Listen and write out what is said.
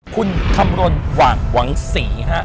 คุณคำรณหว่างหวังศรีฮะ